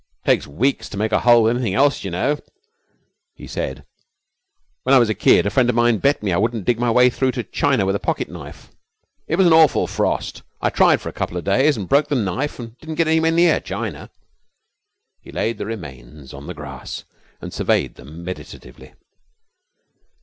'It takes weeks to make a hole with anything else, you know,' he said. 'When I was a kid a friend of mine bet me I wouldn't dig my way through to China with a pocket knife. It was an awful frost. I tried for a couple of days, and broke the knife and didn't get anywhere near China.' He laid the remains on the grass and surveyed them meditatively.